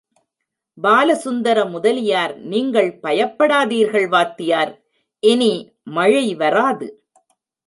பாலசுந்தர முதலியார் நீங்கள் பயப்படாதீர்கள் வாத்தியார், இனி மழை வராது.